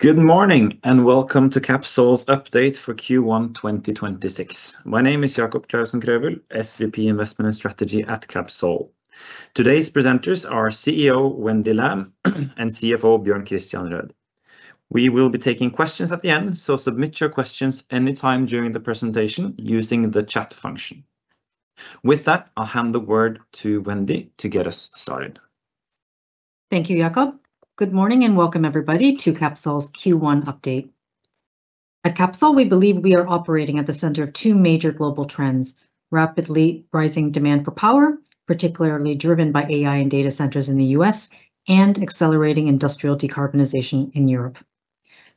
Good morning, and welcome to Capsol's update for Q1 2026. My name is Jacob Clausen Krøvel, Senior Vice President Investment and Strategy at Capsol. Today's presenters are CEO Wendy Lam and CFO Bjørn Kristian Røed. We will be taking questions at the end, so submit your questions anytime during the presentation using the chat function. With that, I'll hand the word to Wendy to get us started. Thank you, Jacob. Good morning, and welcome everybody to Capsol's Q1 update. At Capsol, we believe we are operating at the center of two major global trends, rapidly rising demand for power, particularly driven by AI and data centers in the U.S., and accelerating industrial decarbonization in Europe.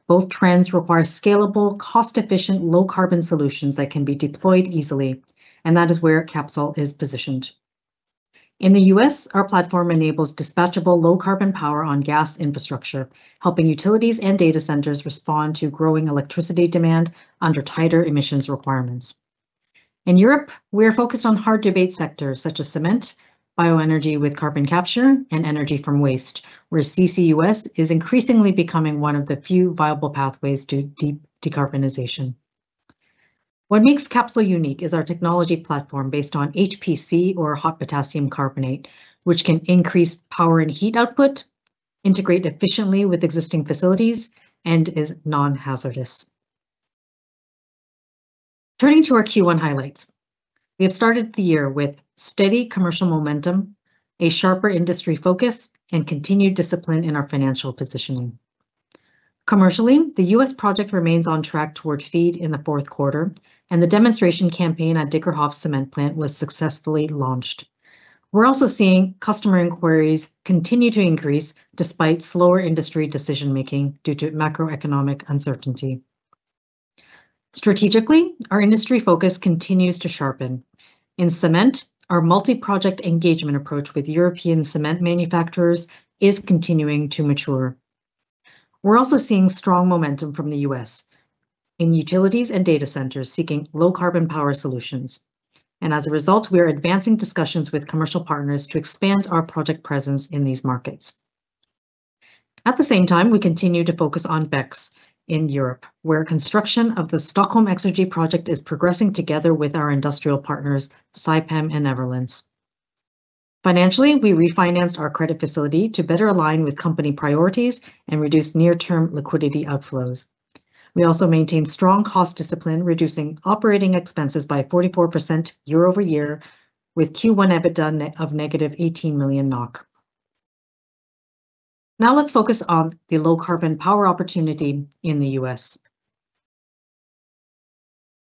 Both trends require scalable, cost-efficient, low-carbon solutions that can be deployed easily, and that is where Capsol is positioned. In the U.S., our platform enables dispatchable low-carbon power on gas infrastructure, helping utilities and data centers respond to growing electricity demand under tighter emissions requirements. In Europe, we are focused on hard-to-abate sectors such as cement, bioenergy with carbon capture, and energy from waste, where CCUS is increasingly becoming one of the few viable pathways to deep decarbonization. What makes Capsol unique is our technology platform based on HPC, or hot potassium carbonate, which can increase power and heat output, integrate efficiently with existing facilities, and is non-hazardous. Turning to our Q1 highlights, we have started the year with steady commercial momentum, a sharper industry focus, and continued discipline in our financial positioning. Commercially, the U.S. project remains on track toward FEED in the fourth quarter, and the demonstration campaign at Dyckerhoff cement plant was successfully launched. We're also seeing customer inquiries continue to increase despite slower industry decision-making due to macroeconomic uncertainty. Strategically, our industry focus continues to sharpen. In cement, our multi-project engagement approach with European cement manufacturers is continuing to mature. We're also seeing strong momentum from the U.S. in utilities and data centers seeking low-carbon power solutions. As a result, we are advancing discussions with commercial partners to expand our project presence in these markets. At the same time, we continue to focus on BECCS in Europe, where construction of the Stockholm Exergi project is progressing together with our industrial partners, Saipem and Everlens. Financially, we refinanced our credit facility to better align with company priorities and reduce near-term liquidity outflows. We also maintained strong cost discipline, reducing operating expenses by 44% year-over-year, with Q1 EBITDA of negative 18 million NOK. Now let's focus on the low-carbon power opportunity in the U.S.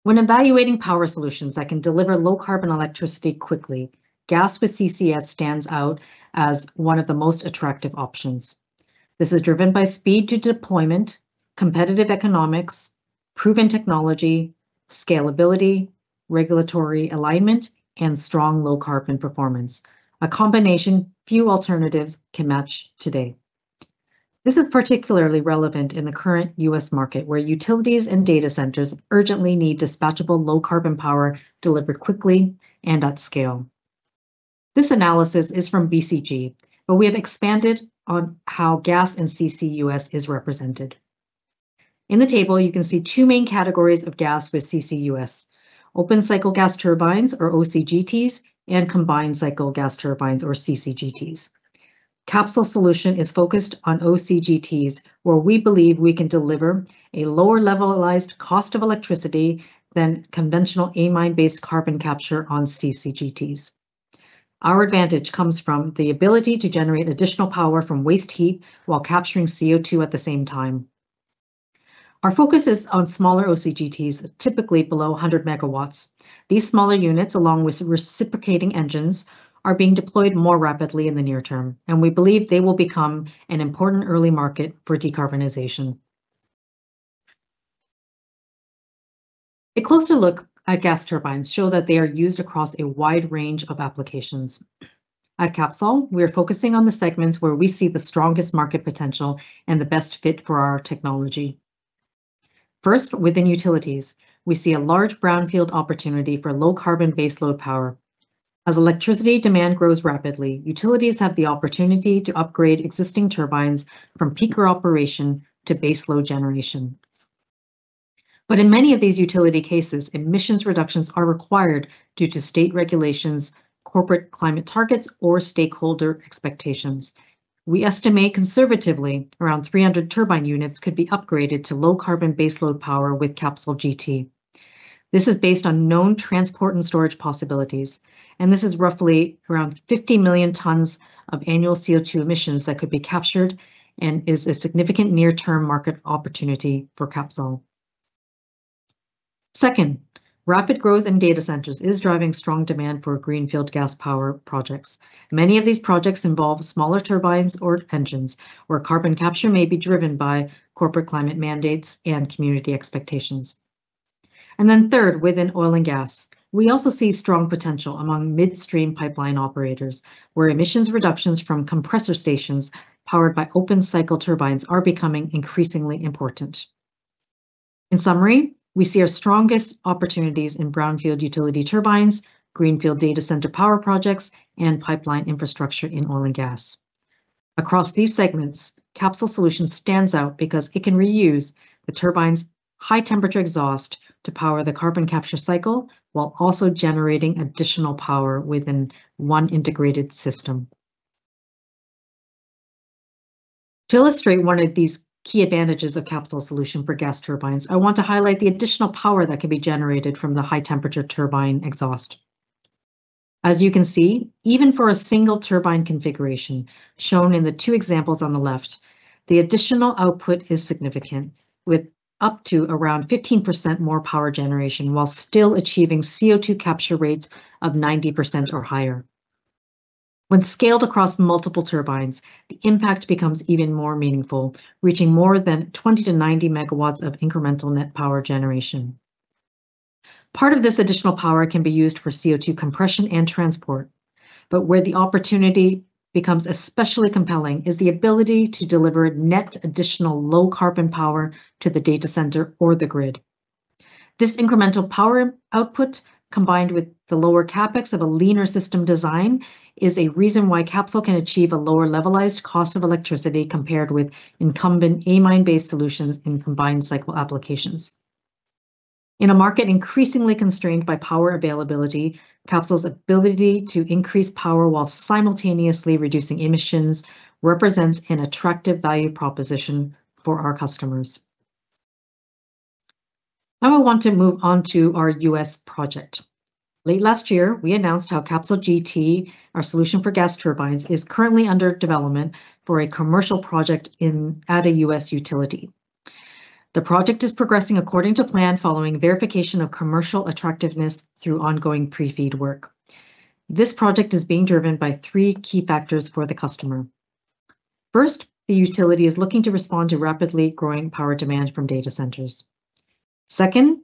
When evaluating power solutions that can deliver low-carbon electricity quickly, gas with CCS stands out as one of the most attractive options. This is driven by speed to deployment, competitive economics, proven technology, scalability, regulatory alignment, and strong low-carbon performance, a combination few alternatives can match today. This is particularly relevant in the current U.S. market, where utilities and data centers urgently need dispatchable low-carbon power delivered quickly and at scale. This analysis is from BCG, but we have expanded on how gas and CCUS is represented. In the table, you can see two main categories of gas with CCUS, open cycle gas turbines, or OCGTs, and combined cycle gas turbines, or CCGTs. Capsol's solution is focused on OCGTs, where we believe we can deliver a lower levelized cost of electricity than conventional amine-based carbon capture on CCGTs. Our advantage comes from the ability to generate additional power from waste heat while capturing CO2 at the same time. Our focus is on smaller OCGTs, typically below 100 MW. These smaller units, along with reciprocating engines, are being deployed more rapidly in the near term, and we believe they will become an important early market for decarbonization. A closer look at gas turbines show that they are used across a wide range of applications. At Capsol, we are focusing on the segments where we see the strongest market potential and the best fit for our technology. First, within utilities, we see a large brownfield opportunity for low-carbon baseload power. As electricity demand grows rapidly, utilities have the opportunity to upgrade existing turbines from peaker operation to baseload generation. In many of these utility cases, emissions reductions are required due to state regulations, corporate climate targets, or stakeholder expectations. We estimate conservatively around 300 turbine units could be upgraded to low-carbon baseload power with CapsolGT. This is based on known transport and storage possibilities, this is roughly around 50 million tons of annual CO2 emissions that could be captured and is a significant near-term market opportunity for Capsol. Second, rapid growth in data centers is driving strong demand for greenfield gas power projects. Many of these projects involve smaller turbines or engines where carbon capture may be driven by corporate climate mandates and community expectations. Third, within oil and gas, we also see strong potential among midstream pipeline operators, where emissions reductions from compressor stations powered by open cycle turbines are becoming increasingly important. In summary, we see our strongest opportunities in brownfield utility turbines, greenfield data center power projects, and pipeline infrastructure in oil and gas. Across these segments, Capsol solution stands out because it can reuse the turbine's high temperature exhaust to power the carbon capture cycle, while also generating additional power within one integrated system. To illustrate 1 of these key advantages of Capsol solution for gas turbines, I want to highlight the additional power that can be generated from the high temperature turbine exhaust. As you can see, even for a single turbine configuration, shown in the two examples on the left, the additional output is significant, with up to around 15% more power generation, while still achieving CO₂ capture rates of 90% or higher. When scaled across multiple turbines, the impact becomes even more meaningful, reaching more than 20-90 MW of incremental net power generation. Part of this additional power can be used for CO₂ compression and transport. Where the opportunity becomes especially compelling is the ability to deliver net additional low carbon power to the data center or the grid. This incremental power output, combined with the lower CapEx of a leaner system design, is a reason why Capsol can achieve a lower levelized cost of electricity compared with incumbent amine-based solutions in combined cycle applications. In a market increasingly constrained by power availability, Capsol's ability to increase power while simultaneously reducing emissions represents an attractive value proposition for our customers. I will want to move on to our U.S. project. Late last year, we announced how CapsolGT, our solution for gas turbines, is currently under development for a commercial project at a U.S. utility. The project is progressing according to plan following verification of commercial attractiveness through ongoing pre-FEED work. This project is being driven by three key factors for the customer. First, the utility is looking to respond to rapidly growing power demand from data centers. Second,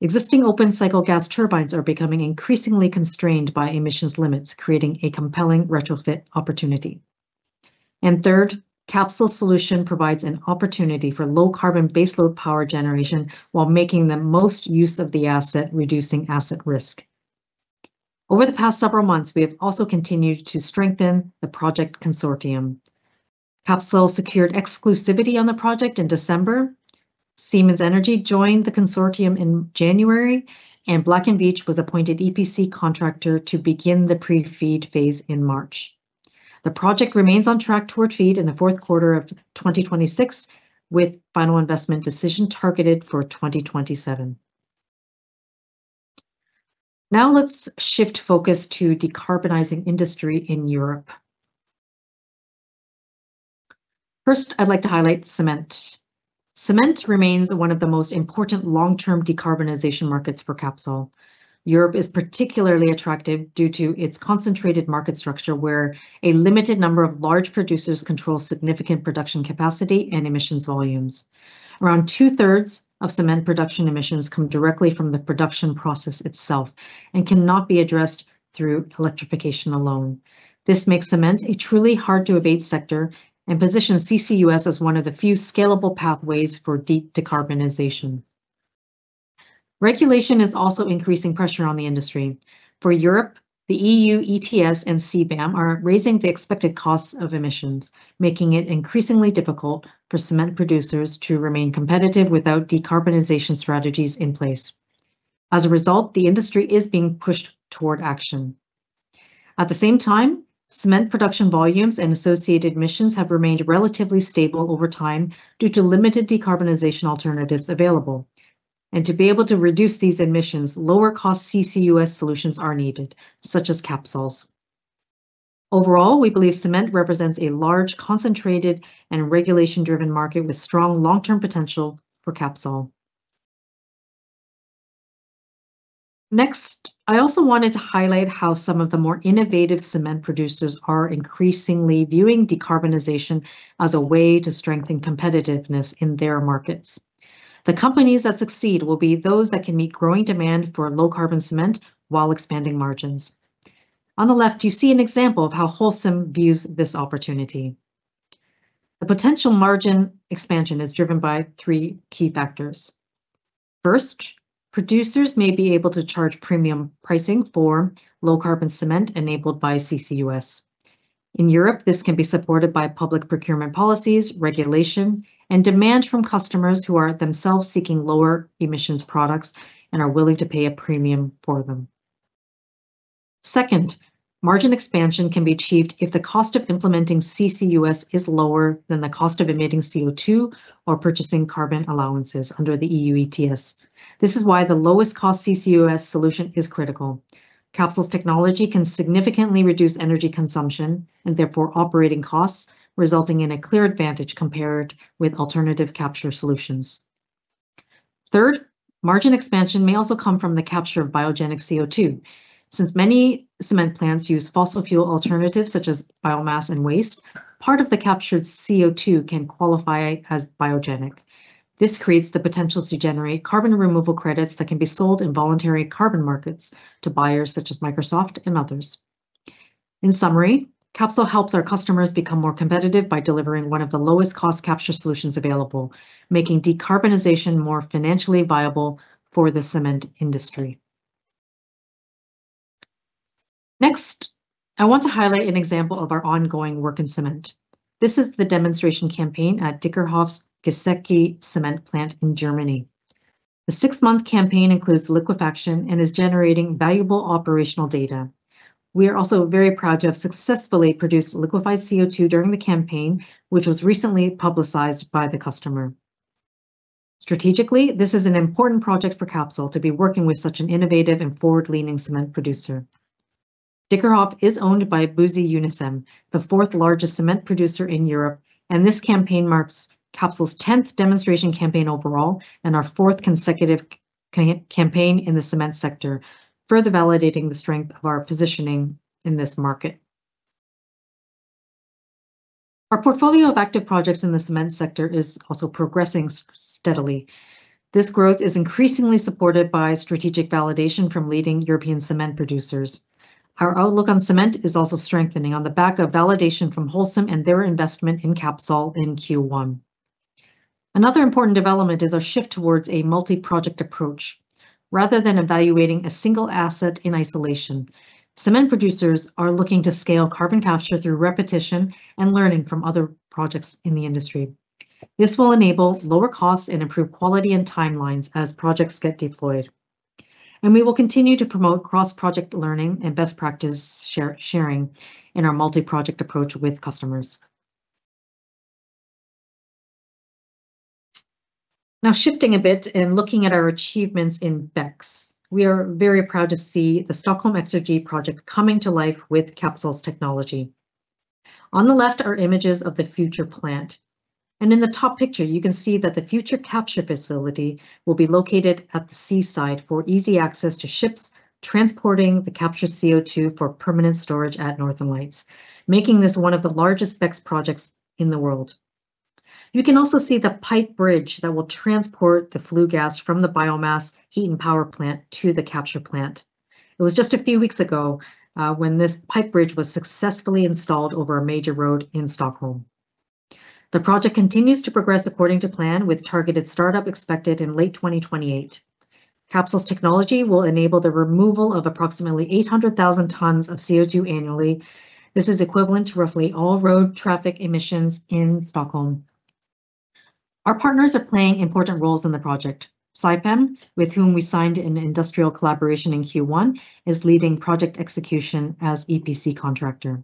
existing Open Cycle Gas Turbines are becoming increasingly constrained by emissions limits, creating a compelling retrofit opportunity. Third, Capsol solution provides an opportunity for low carbon baseload power generation while making the most use of the asset, reducing asset risk. Over the past several months, we have also continued to strengthen the project consortium. Capsol secured exclusivity on the project in December. Siemens Energy joined the consortium in January, and Black & Veatch was appointed EPC contractor to begin the pre-FEED phase in March. The project remains on track toward FEED in the fourth quarter of 2026, with Final Investment Decision targeted for 2027. Now let's shift focus to decarbonizing industry in Europe. First, I'd like to highlight cement. Cement remains one of the most important long-term decarbonization markets for Capsol. Europe is particularly attractive due to its concentrated market structure, where a limited number of large producers control significant production capacity and emissions volumes. Around two-thirds of cement production emissions come directly from the production process itself and cannot be addressed through electrification alone. This makes cement a truly hard to abate sector and positions CCUS as one of the few scalable pathways for deep decarbonization. Regulation is also increasing pressure on the industry. For Europe, the EU ETS and CBAM are raising the expected costs of emissions, making it increasingly difficult for cement producers to remain competitive without decarbonization strategies in place. As a result, the industry is being pushed toward action. At the same time, cement production volumes and associated emissions have remained relatively stable over time due to limited decarbonization alternatives available. To be able to reduce these emissions, lower cost CCUS solutions are needed, such as Capsol. Overall, we believe cement represents a large, concentrated, and regulation-driven market with strong long-term potential for Capsol. Next, I also wanted to highlight how some of the more innovative cement producers are increasingly viewing decarbonization as a way to strengthen competitiveness in their markets. The companies that succeed will be those that can meet growing demand for low-carbon cement while expanding margins. On the left, you see an example of how Holcim views this opportunity. The potential margin expansion is driven by three key factors. First, producers may be able to charge premium pricing for low-carbon cement enabled by CCUS. In Europe, this can be supported by public procurement policies, regulation, and demand from customers who are themselves seeking lower emissions products and are willing to pay a premium for them. Second, margin expansion can be achieved if the cost of implementing CCUS is lower than the cost of emitting CO₂ or purchasing carbon allowances under the EU ETS. This is why the lowest cost CCUS solution is critical. Capsol's technology can significantly reduce energy consumption and therefore operating costs, resulting in a clear advantage compared with alternative capture solutions. Third, margin expansion may also come from the capture of biogenic CO₂. Since many cement plants use fossil fuel alternatives such as biomass and waste, part of the captured CO₂ can qualify as biogenic. This creates the potential to generate carbon removal credits that can be sold in voluntary carbon markets to buyers such as Microsoft and others. In summary, Capsol helps our customers become more competitive by delivering one of the lowest cost capture solutions available, making decarbonization more financially viable for the cement industry. Next, I want to highlight an example of our ongoing work in cement. This is the demonstration campaign at Dyckerhoff's Geseke cement plant in Germany. The six-month campaign includes liquefaction and is generating valuable operational data. We are also very proud to have successfully produced liquefied CO2 during the campaign, which was recently publicized by the customer. Strategically, this is an important project for Capsol to be working with such an innovative and forward-leaning cement producer. Dyckerhoff is owned by Buzzi Unicem, the fourth largest cement producer in Europe, and this campaign marks Capsol's tenth demonstration campaign overall and our fourth consecutive campaign in the cement sector, further validating the strength of our positioning in this market. Our portfolio of active projects in the cement sector is also progressing steadily. This growth is increasingly supported by strategic validation from leading European cement producers. Our outlook on cement is also strengthening on the back of validation from Holcim and their investment in Capsol in Q1. Another important development is our shift towards a multi-project approach. Rather than evaluating a single asset in isolation, cement producers are looking to scale carbon capture through repetition and learning from other projects in the industry. This will enable lower costs and improve quality and timelines as projects get deployed. We will continue to promote cross-project learning and best practice sharing in our multi-project approach with customers. Shifting a bit and looking at our achievements in BECCS, we are very proud to see the Stockholm Exergi project coming to life with Capsol's technology. On the left are images of the future plant, and in the top picture, you can see that the future capture facility will be located at the seaside for easy access to ships transporting the captured CO2 for permanent storage at Northern Lights, making this one of the largest BECCS projects in the world. You can also see the pipe bridge that will transport the flue gas from the biomass heat and power plant to the capture plant. It was just a few weeks ago, when this pipe bridge was successfully installed over a major road in Stockholm. The project continues to progress according to plan with targeted startup expected in late 2028. Capsol's technology will enable the removal of approximately 800,000 tons of CO2 annually. This is equivalent to roughly all road traffic emissions in Stockholm. Our partners are playing important roles in the project. Saipem, with whom we signed an industrial collaboration in Q1, is leading project execution as EPC contractor.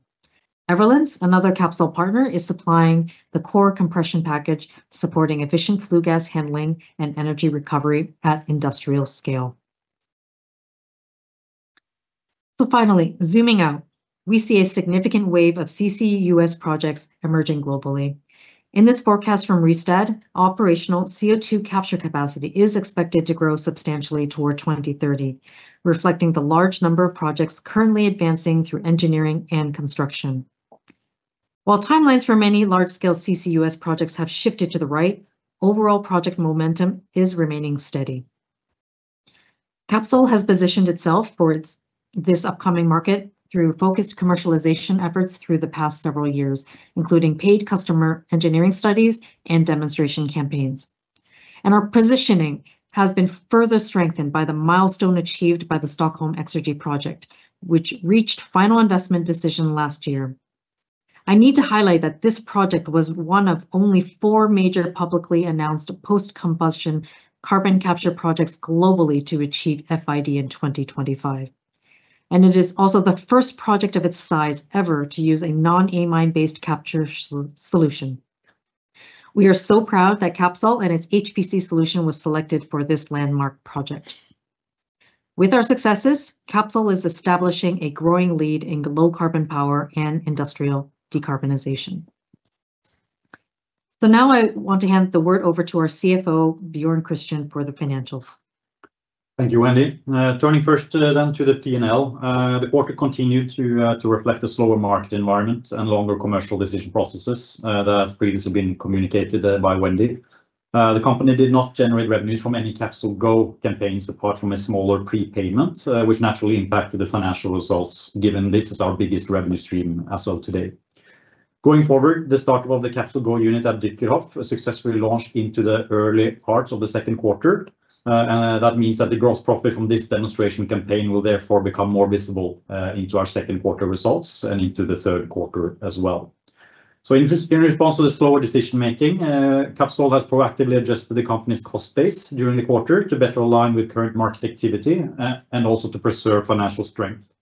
Everlens, another Capsol partner, is supplying the core compression package, supporting efficient flue gas handling and energy recovery at industrial scale. Finally, zooming out, we see a significant wave of CCUS projects emerging globally. In this forecast from Rystad, operational CO2 capture capacity is expected to grow substantially toward 2030, reflecting the large number of projects currently advancing through engineering and construction. While timelines for many large-scale CCUS projects have shifted to the right, overall project momentum is remaining steady. Capsol has positioned itself for this upcoming market through focused commercialization efforts through the past several years, including paid customer engineering studies and demonstration campaigns. Our positioning has been further strengthened by the milestone achieved by the Stockholm Exergi project, which reached final investment decision last year. I need to highlight that this project was one of only four major publicly announced post-combustion carbon capture projects globally to achieve FID in 2025, and it is also the first project of its size ever to use a non-amine-based capture solution. We are so proud that Capsol and its HPC solution was selected for this landmark project. With our successes, Capsol is establishing a growing lead in low carbon power and industrial decarbonization. Now I want to hand the word over to our CFO, Bjørn Kristian Røed, for the financials. Thank you, Wendy. Turning first, then to the P&L. The quarter continued to reflect a slower market environment and longer commercial decision processes that has previously been communicated by Wendy. The company did not generate revenues from any CapsolGo campaigns apart from a smaller prepayment, which naturally impacted the financial results, given this is our biggest revenue stream as of today. Going forward, the start of the CapsolGo unit at Dyckerhoff successfully launched into the early parts of the second quarter. That means that the gross profit from this demonstration campaign will therefore become more visible into our second quarter results and into the third quarter as well. In response to the slower decision making, Capsol has proactively adjusted the company's cost base during the quarter to better align with current market activity and also to preserve financial strength.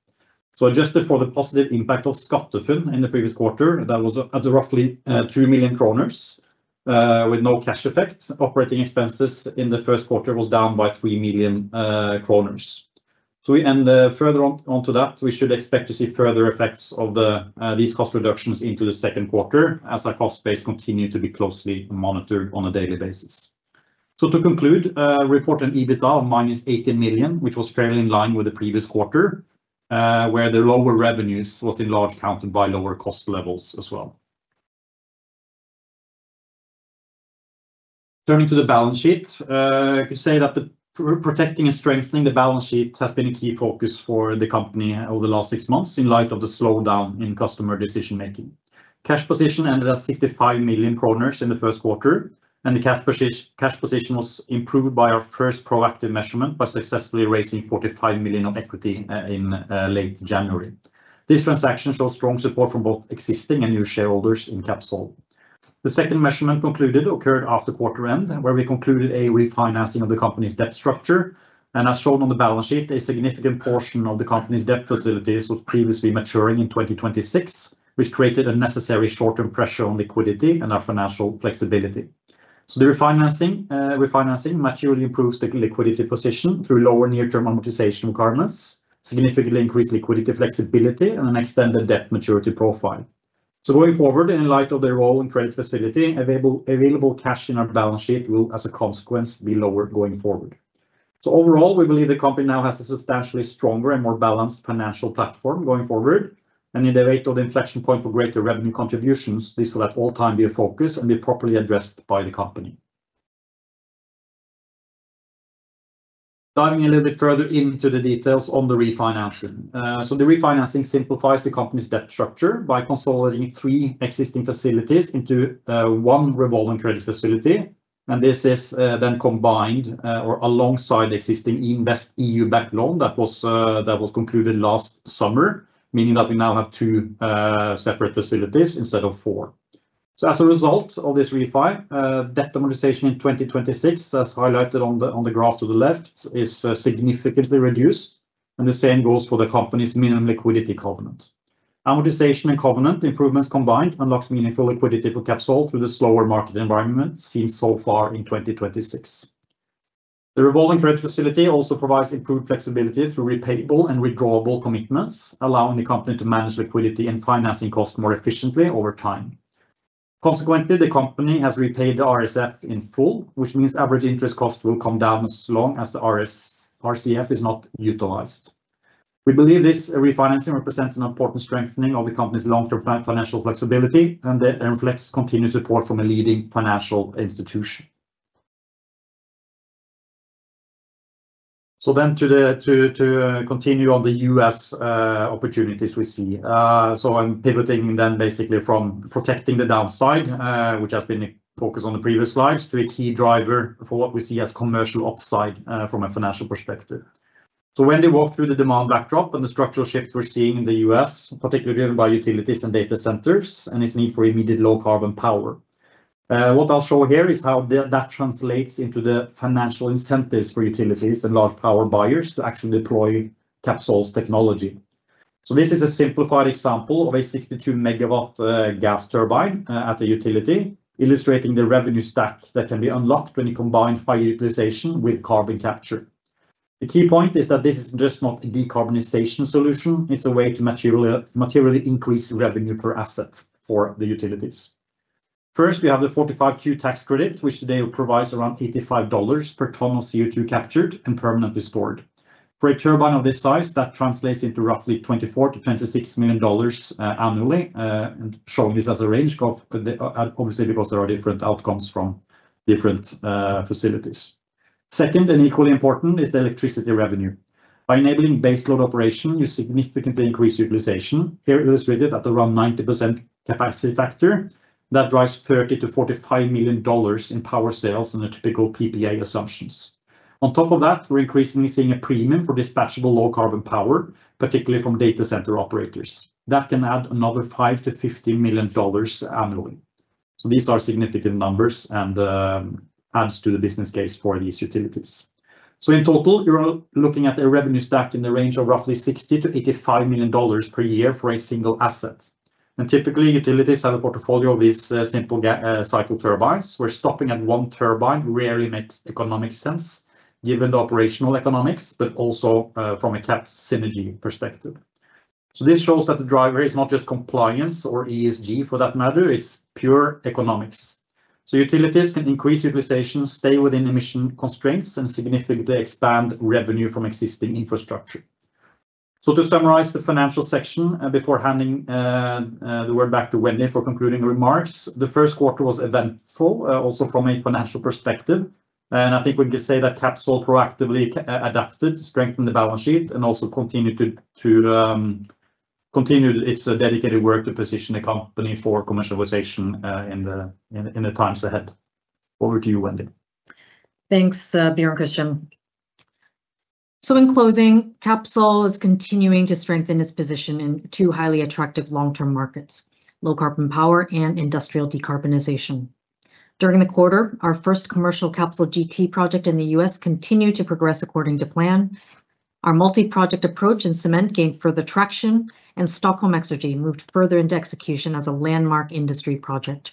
Adjusted for the positive impact of Skattefunn in the previous quarter, that was at roughly 3 million kroner with no cash effects. Operating expenses in the first quarter was down by 3 million kroner. And further on to that, we should expect to see further effects of these cost reductions into the second quarter as our cost base continue to be closely monitored on a daily basis. To conclude, reported EBITDA of minus 80 million, which was fairly in line with the previous quarter, where the lower revenues was in large counted by lower cost levels as well. Turning to the balance sheet, I could say that the protecting and strengthening the balance sheet has been a key focus for the company over the last six months in light of the slowdown in customer decision-making. Cash position ended at 65 million kroner in the first quarter, and the cash position was improved by our first proactive measurement by successfully raising 45 million of equity in late January. This transaction shows strong support from both existing and new shareholders in Capsol. The second measurement concluded occurred after quarter end, where we concluded a refinancing of the company's debt structure. As shown on the balance sheet, a significant portion of the company's debt facilities was previously maturing in 2026, which created a necessary short-term pressure on liquidity and our financial flexibility. The refinancing materially improves the liquidity position through lower near-term amortization requirements, significantly increased liquidity flexibility and an extended debt maturity profile. Going forward, in light of the revolving credit facility, available cash in our balance sheet will, as a consequence, be lower going forward. Overall, we believe the company now has a substantially stronger and more balanced financial platform going forward. In the weight of the inflection point for greater revenue contributions, this will at all time be a focus and be properly addressed by the company. Diving a little bit further into the details on the refinancing. The refinancing simplifies the company's debt structure by consolidating three existing facilities into one revolving credit facility, and this is then combined or alongside the existing InvestEU backed loan that was that was concluded last summer, meaning that we now have two separate facilities instead of four. As a result of this refi, debt amortization in 2026, as highlighted on the on the graph to the left, is significantly reduced, and the same goes for the company's minimum liquidity covenant. Amortization and covenant improvements combined unlocks meaningful liquidity for Capsol through the slower market environment seen so far in 2026. The revolving credit facility also provides improved flexibility through repayable and withdrawable commitments, allowing the company to manage liquidity and financing costs more efficiently over time. Consequently, the company has repaid the RCF in full, which means average interest costs will come down as long as the RCF is not utilized. We believe this refinancing represents an important strengthening of the company's long-term financial flexibility, and it reflects continued support from a leading financial institution. To continue on the U.S. opportunities we see. I'm pivoting then basically from protecting the downside, which has been a focus on the previous slides, to a key driver for what we see as commercial upside from a financial perspective. Wendy walked through the demand backdrop and the structural shifts we're seeing in the U.S., particularly driven by utilities and data centers and its need for immediate low-carbon power. What I'll show here is how that translates into the financial incentives for utilities and large power buyers to actually deploy Capsol's technology. This is a simplified example of a 62 MW gas turbine at a utility, illustrating the revenue stack that can be unlocked when you combine high utilization with carbon capture. The key point is that this is just not a decarbonization solution, it's a way to materially increase revenue per asset for the utilities. First, we have the 45Q tax credit, which today provides around $85 per ton of CO2 captured and permanently stored. For a turbine of this size, that translates into roughly $24 million-$26 million annually, showing this as a range of, obviously because there are different outcomes from different facilities. Second, and equally important, is the electricity revenue. By enabling baseload operation, you significantly increase utilization. Here, illustrated at around 90% capacity factor, that drives $30 million-$45 million in power sales on the typical PPA assumptions. On top of that, we're increasingly seeing a premium for dispatchable low-carbon power, particularly from data center operators. That can add another $5 million-$50 million annually. These are significant numbers and adds to the business case for these utilities. In total, you're looking at a revenue stack in the range of roughly $60 million-$85 million per year for a single asset. Typically, utilities have a portfolio of these simple cycle turbines, where stopping at one turbine rarely makes economic sense given the operational economics, but also from a CapEx synergy perspective. This shows that the driver is not just compliance or ESG for that matter, it's pure economics. Utilities can increase utilization, stay within emission constraints, and significantly expand revenue from existing infrastructure. To summarize the financial section, before handing the word back to Wendy for concluding remarks, the first quarter was eventful, also from a financial perspective. I think we can say that Capsol proactively adapted to strengthen the balance sheet and also continued its dedicated work to position the company for commercialization in the times ahead. Over to you, Wendy. Thanks, Bjørn Kristian. In closing, Capsol is continuing to strengthen its position in two highly attractive long-term markets, low carbon power and industrial decarbonization. During the quarter, our first commercial CapsolGT project in the U.S. continued to progress according to plan. Our multi-project approach in cement gained further traction, and Stockholm Exergi moved further into execution as a landmark industry project.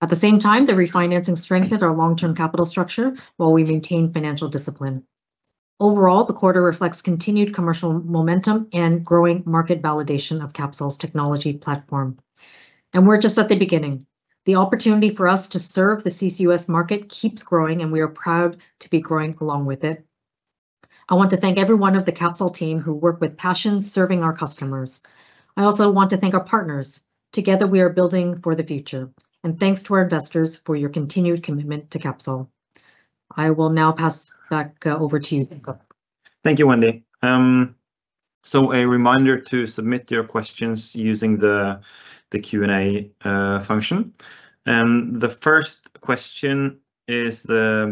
At the same time, the refinancing strengthened our long-term capital structure, while we maintained financial discipline. Overall, the quarter reflects continued commercial momentum and growing market validation of Capsol's technology platform. We're just at the beginning. The opportunity for us to serve the CCUS market keeps growing, and we are proud to be growing along with it. I want to thank every one of the Capsol team who work with passion serving our customers. I also want to thank our partners. Together, we are building for the future. Thanks to our investors for your continued commitment to Capsol. I will now pass back over to you, Jacob. Thank you, Wendy. A reminder to submit your questions using the Q&A function. The first question is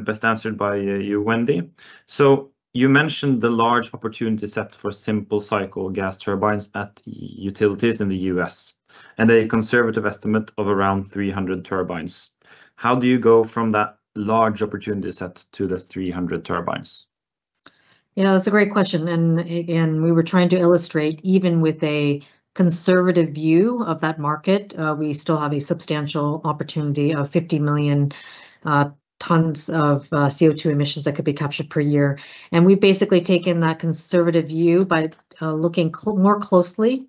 best answered by you, Wendy. You mentioned the large opportunity set for simple cycle gas turbines at utilities in the U.S., and a conservative estimate of around 300 turbines. How do you go from that large opportunity set to the 300 turbines? You know, that's a great question. We were trying to illustrate, even with a conservative view of that market, we still have a substantial opportunity of 50 million tons of CO2 emissions that could be captured per year. We've basically taken that conservative view by looking more closely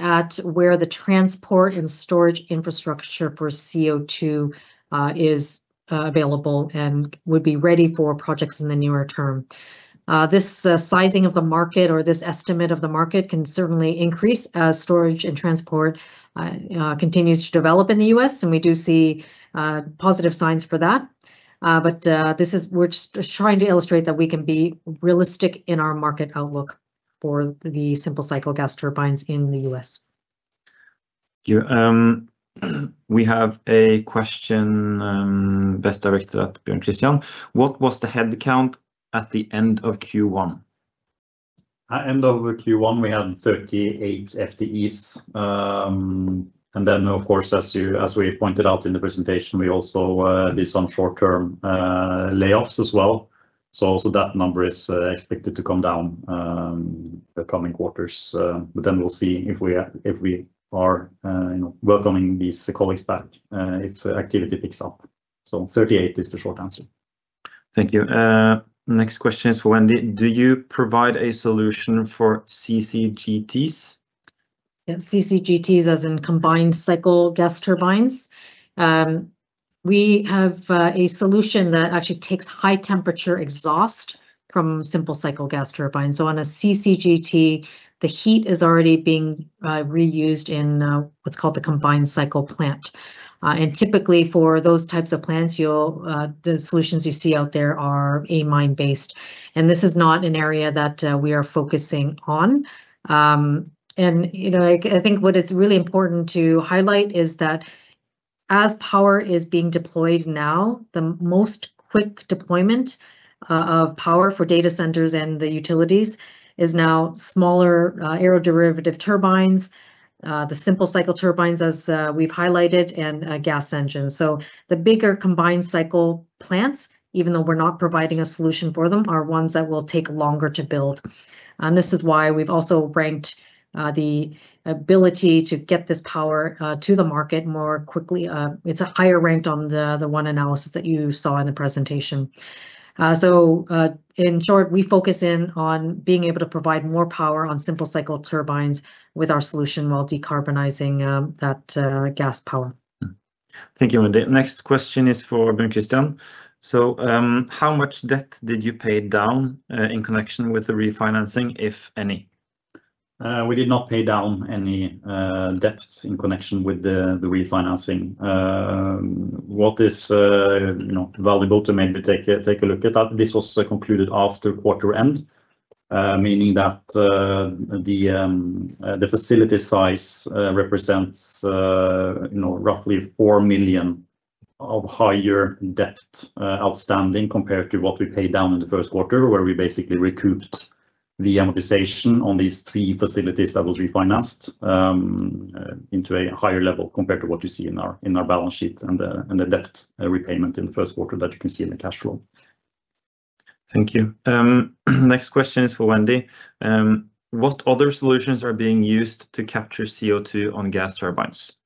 at where the transport and storage infrastructure for CO2 is available and would be ready for projects in the nearer term. This sizing of the market or this estimate of the market can certainly increase as storage and transport continues to develop in the U.S., and we do see positive signs for that. But we're just trying to illustrate that we can be realistic in our market outlook for the simple cycle gas turbines in the U.S. Yeah. We have a question, best directed at Bjørn Kristian. What was the head count at the end of Q1? At end of Q1, we had 38 FTEs. Of course, as you, as we pointed out in the presentation, we also did some short-term layoffs as well. That number is expected to come down the coming quarters. We'll see if we are, you know, welcoming these colleagues back if activity picks up. 38 is the short answer. Thank you. Next question is for Wendy. Do you provide a solution for CCGTs? CCGTs as in Combined Cycle Gas Turbines. We have a solution that actually takes high temperature exhaust from simple cycle gas turbines. On a CCGT, the heat is already being reused in what's called the combined cycle plant. Typically for those types of plants, you'll the solutions you see out there are amine-based, and this is not an area that we are focusing on. You know, I think what is really important to highlight is that as power is being deployed now, the most quick deployment of power for data centers and the utilities is now smaller aeroderivative turbines, the simple cycle turbines as we've highlighted, and gas engines. The bigger combined cycle plants, even though we're not providing a solution for them, are ones that will take longer to build. This is why we've also ranked the ability to get this power to the market more quickly. It's a higher ranked on the one analysis that you saw in the presentation. In short, we focus in on being able to provide more power on simple cycle turbines with our solution while decarbonizing that gas power. Thank you, Wendy. Next question is for Bjørn Kristian. How much debt did you pay down in connection with the refinancing, if any? We did not pay down any debts in connection with the refinancing. What is, you know, valuable to maybe take a look at that this was concluded after quarter end, meaning that the facility size represents, you know, roughly 4 million of higher debt outstanding compared to what we paid down in the first quarter, where we basically recouped the amortization on these three facilities that was refinanced into a higher level compared to what you see in our balance sheet and the debt repayment in the first quarter that you can see in the cash flow. Thank you. Next question is for Wendy. What other solutions are being used to capture CO2 on gas turbines?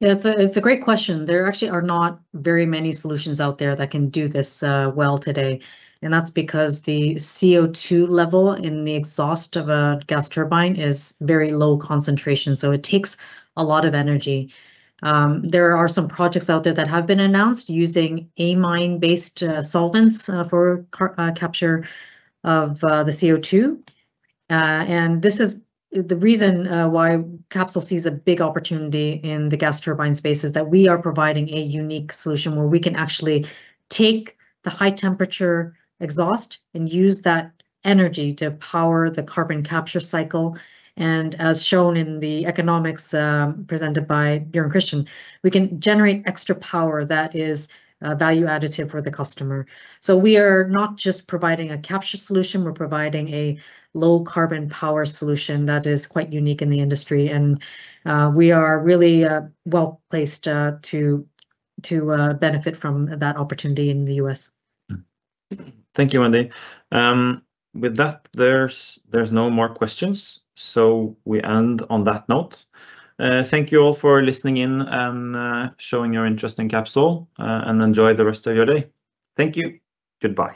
Yeah. It's a great question. There actually are not very many solutions out there that can do this well today, and that's because the CO2 level in the exhaust of a gas turbine is very low concentration, so it takes a lot of energy. There are some projects out there that have been announced using amine-based solvents for capture of the CO2. This is the reason why Capsol sees a big opportunity in the gas turbine space is that we are providing a unique solution where we can actually take the high temperature exhaust and use that energy to power the carbon capture cycle. As shown in the economics presented by Bjørn Kristian Røed, we can generate extra power that is value additive for the customer. We are not just providing a capture solution, we're providing a low carbon power solution that is quite unique in the industry. We are really well-placed to benefit from that opportunity in the U.S. Thank you, Wendy. With that, there's no more questions. We end on that note. Thank you all for listening in and showing your interest in Capsol. Enjoy the rest of your day. Thank you. Goodbye.